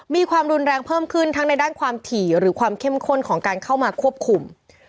มีความรุนแรงเพิ่มขึ้นทั้งในด้านความถี่หรือความเข้มข้นของการเข้ามาควบคุม